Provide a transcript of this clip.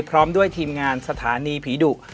พร้อมด้วยทีมงานสถานีผีดุ